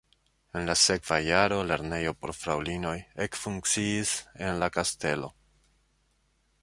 En la sekva jaro lernejo por fraŭlinoj ekfunkciis en la kastelo.